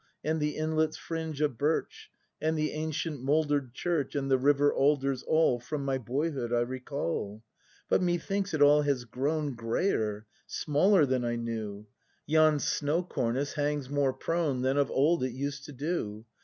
And the inlet's fringe of birch, And the ancient, moulder'd church. And the river alders, all From my boyhood I recall. But methinks it all has grown Grayer, smaller than I knew; Yon snow cornice hangs more prone Than of old it used to do.